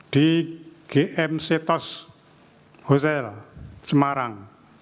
di gm setos hotel semarang